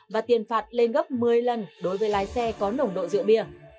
và tiền phạt lên gấp một mươi lần đối với lái xe có nồng độ rượu bia